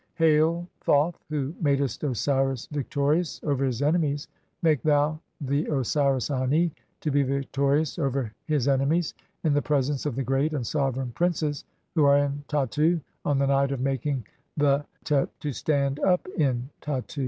"Hail, Thoth, who madest Osiris victorious over his enemies, "make thou the Osiris (4) Ani to be victorious over his enemies "in the presence of the great and sovereign princes who are in "Tattu, on the night of making the '}'e f to stand up in Tattu.